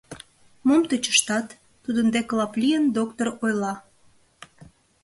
Мом тӧчыштат? — тудын деке лап лийын, доктор ойла.